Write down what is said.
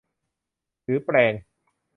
หรือแปรง